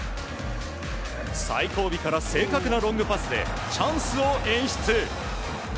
最後尾から正確なロングパスでチャンスを演出。